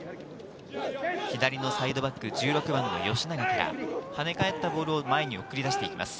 左のサイドバック１６番の吉永から跳ね返ったボールを前に送り出します。